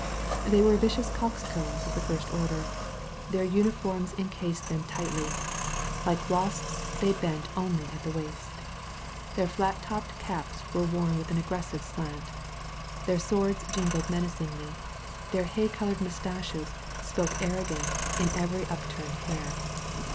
They were vicious coxcombs of the first order. Their uniforms incased them tightly. Like wasps they bent only at the waist. Their flat topped caps were worn with an aggressive slant, their swords jingled menacingly, their hay colored mustaches spoke arrogance in every upturned hair.